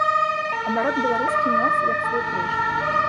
А народ беларускі нёс, як свой крыж.